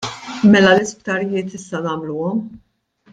Mela l-isptarijiet issa nagħmluhom?